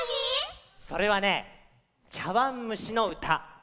それはね「ちゃわんむしのうた」。